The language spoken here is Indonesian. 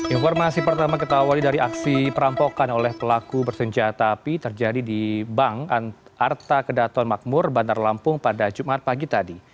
informasi pertama kita awali dari aksi perampokan oleh pelaku bersenjata api terjadi di bank arta kedaton makmur bandar lampung pada jumat pagi tadi